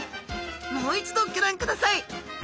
もう一度ギョ覧ください。